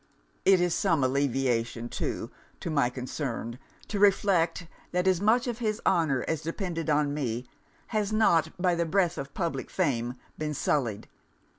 It is some alleviation, too, to my concern, to reflect, that as much of his honour as depended on me, has not, by the breath of public fame, been sullied.